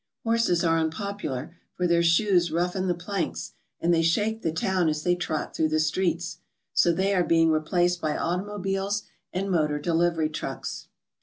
Horses are unpopular, for their shoes roughen the planks and they shake the town as they trot through the streets, so they are being replaced by automobiles and motor delivery trucks.